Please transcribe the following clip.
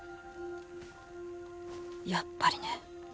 やっぱりね。